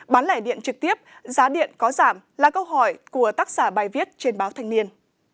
bán lẻ điện trực tiếp giá điện có giảm là câu hỏi của tác giả bài viết trên báo thanh niên